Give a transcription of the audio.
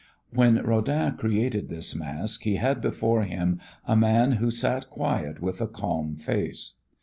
When Rodin created this mask he had before him a man who sat quiet with a calm face.